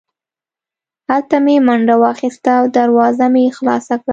هلته مې منډه واخیسته او دروازه مې خلاصه کړه